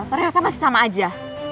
ternyata masih sama aja